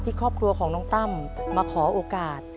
ครอบครัวของน้องตั้มมาขอโอกาส